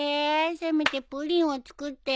せめてプリンは作ってよ。